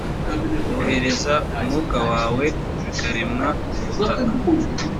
wohereza umwuka wawe bikaremwa ubutaka